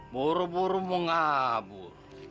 buru buru mau ngabur